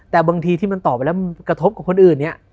แต่บางทีที่มันตอบไปแล้วมันกระทบกับคนอื่นเนี่ย